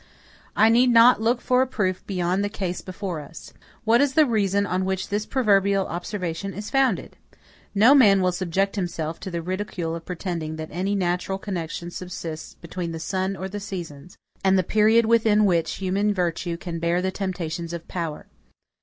I need not look for a proof beyond the case before us. What is the reason on which this proverbial observation is founded? No man will subject himself to the ridicule of pretending that any natural connection subsists between the sun or the seasons, and the period within which human virtue can bear the temptations of power.